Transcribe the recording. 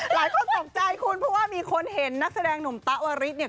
หลายคนตกใจคุณเพราะว่ามีคนเห็นนักแสดงหนุ่มตะวริสเนี่ย